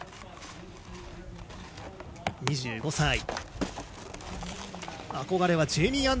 ２５歳。